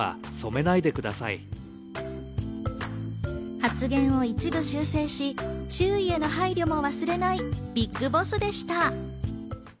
発言を一部修正し、周囲への配慮も忘れない、ＢＩＧＢＯＳＳでした。